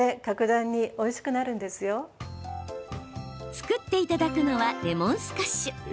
作っていただくのはレモンスカッシュ。